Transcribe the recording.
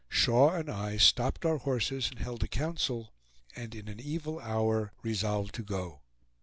Shaw and I stopped our horses and held a council, and in an evil hour resolved to go.